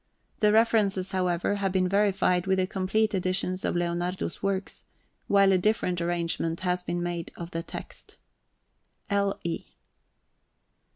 The references, however, have been verified with the complete editions of Leonardo's works, while a different arrangement has been made of the text. L. E.